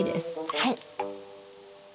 はい。